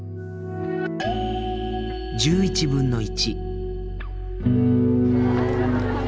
１１分の１。